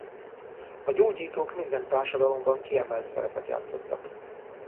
A gyógyítók minden társadalomban kiemelt szerepet játszottak.